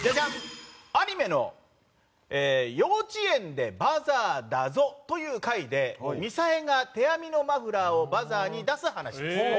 アニメの「幼稚園でバザーだゾ」という回でみさえが手編みのマフラーをバザーに出す話です。